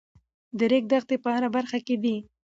د ریګ دښتې په هره برخه کې دي.